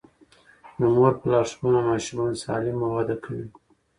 د مور په لارښوونه ماشومان سالم وده کوي.